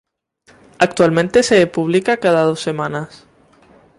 Actualmente se publica cada dos semanas.